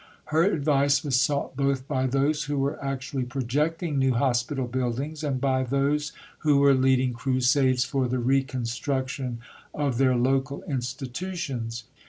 Her advice was sought both by those who were actually projecting new hospital buildings and by those who were leading crusades for the reconstruction of their local institutions.